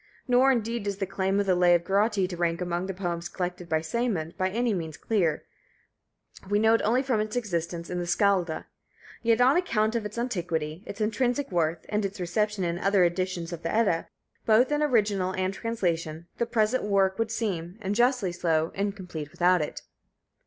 Nor, indeed, is the claim of the Lay of Grotti to rank among the poems collected by Sæmund, by any means clear, we know it only from its existence in the Skalda; yet on account of its antiquity, its intrinsic worth, and its reception in other editions of the Edda, both in original and translation, the present work would seem, and justly so, incomplete without it.